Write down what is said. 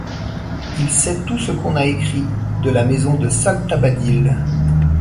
Il sait tout ce qu’on a écrit de la maison de Saltabadil.